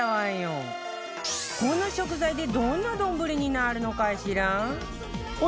この食材でどんな丼になるのかしら？